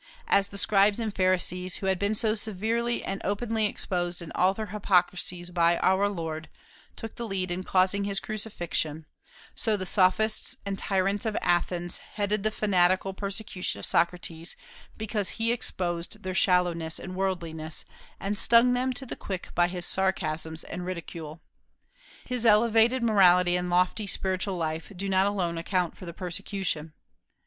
As the Scribes and Pharisees, who had been so severely and openly exposed in all their hypocrisies by our Lord, took the lead in causing his crucifixion, so the Sophists and tyrants of Athens headed the fanatical persecution of Socrates because he exposed their shallowness and worldliness, and stung them to the quick by his sarcasms and ridicule. His elevated morality and lofty spiritual life do not alone account for the persecution.